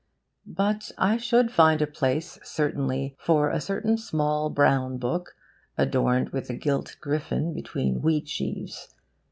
But I should find a place certainly for a certain small brown book adorned with a gilt griffin between wheatsheaves.